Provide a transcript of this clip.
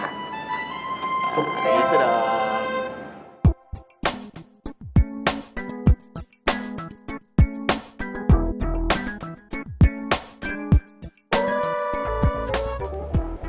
gak ada itu dong